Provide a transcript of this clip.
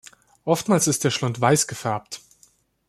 Oftmals ist der Schlund weiß gefärbt.